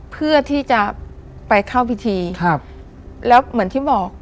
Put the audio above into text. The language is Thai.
เพื่อที่จะไปเข้าพิธีครับแล้วเหมือนที่บอก